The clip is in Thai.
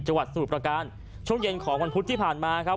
สมุทรประการช่วงเย็นของวันพุธที่ผ่านมาครับ